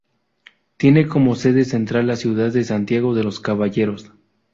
Tiene como sede central la ciudad de Santiago de los Caballeros.